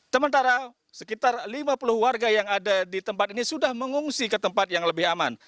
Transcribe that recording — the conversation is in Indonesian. sementara sekitar lima puluh warga yang ada di tempat ini sudah mengungsi ke tempat yang lebih aman